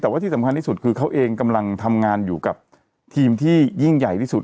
แต่ว่าที่สำคัญที่สุดคือเขาเองกำลังทำงานอยู่กับทีมที่ยิ่งใหญ่ที่สุด